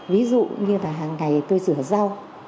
ví dụ như là hàng ngày tôi rửa rau